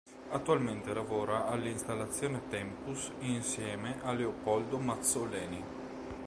Attualmente lavora all’installazione ‘’Tempus’’ insieme a Leopoldo Mazzoleni.